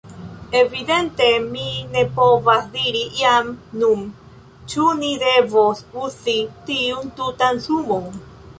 Evidente mi ne povas diri jam nun, ĉu ni devos uzi tiun tutan sumon.